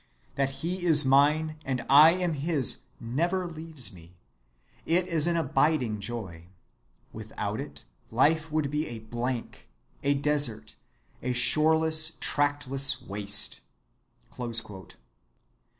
That he is mine and I am his never leaves me, it is an abiding joy. Without it life would be a blank, a desert, a shoreless, trackless waste."